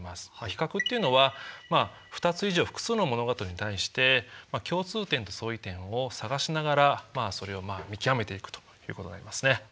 比較っていうのは２つ以上複数の物事に対して共通点と相違点を探しながらそれを見極めていくということになりますね。